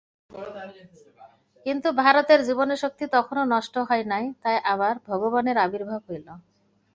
কিন্তু ভারতের জীবনীশক্তি তখনও নষ্ট হয় নাই, তাই আবার ভগবানের আবির্ভাব হইল।